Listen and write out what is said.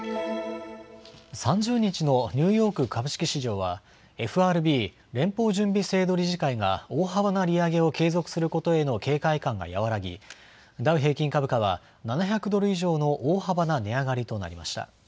３０日のニューヨーク株式市場はＦＲＢ・連邦準備制度理事会が大幅な利上げを継続することへの警戒感が和らぎダウ平均株価は７００ドル以上の大幅な値上がりとなりました。